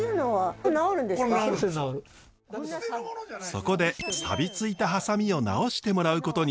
そこでさびついたハサミを直してもらうことに。